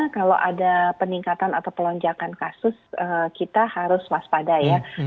kalau ada peningkatan atau pelonjakan kasus kita harus waspada ya